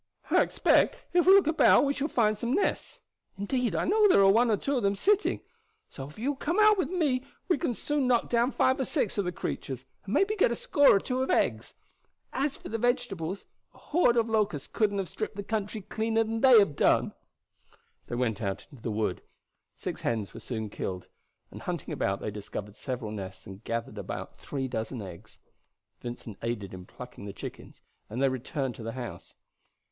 I expect if we look about we shall find some nests; indeed I know there are one or two of them sitting. So if you will come out with me we can soon knock down five or six of the creatures, and maybe get a score or two of eggs. As for vegetables, a horde of locusts couldn't have stripped the country cleaner than they have done." They went out into the wood. Six hens were soon killed, and hunting about they discovered several nests and gathered about three dozen eggs. Vincent aided in plucking the chickens and they then returned to the house.